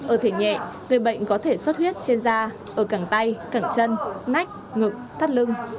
ở thể nhẹ người bệnh có thể sốt huyết trên da ở cảng tay cảng chân nách ngực thắt lưng